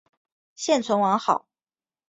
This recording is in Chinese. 现存完好。